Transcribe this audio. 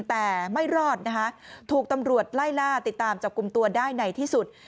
แต่ไม่รอดนะคะถูกตำรวจไล่ล่าติดตามจับกลุ่มตัวได้ในที่สุด